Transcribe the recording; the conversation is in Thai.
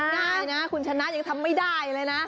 ได้นะคุณชนะยังทำไม่ได้เลยนะ